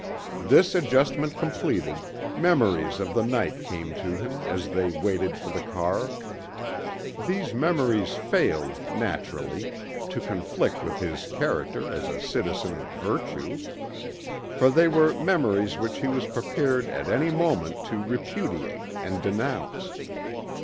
This adjustment completed, memories of the night came to him as they waited for the car. These memories failed, naturally, to conflict with his character as a citizen of virtue. For they were memories which he was prepared at any moment to repudiate and denounce.